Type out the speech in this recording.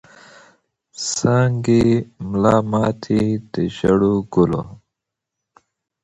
څانګي ملا ماتي د ژړو ګلو